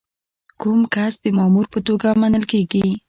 کوم کس د مامور په توګه منل کیږي؟